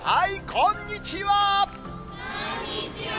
こんにちは。